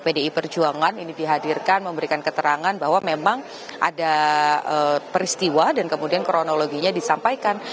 pdi perjuangan ini dihadirkan memberikan keterangan bahwa memang ada peristiwa dan kemudian kronologinya disampaikan